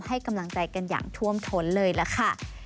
ให้กำลังใจกันอย่างท่วมท้นเลยล่ะค่ะ